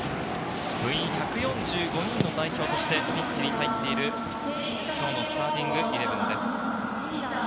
部員１４５人の代表としてピッチに入っている今日のスターティングイレブンです。